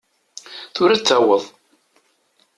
Tura ad d-taweḍ.